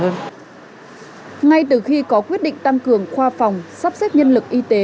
ngay từ khi có quyết định tăng cường khoa phòng sắp xếp nhân lực y tế